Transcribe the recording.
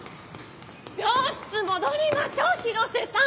・病室戻りましょう広瀬さん！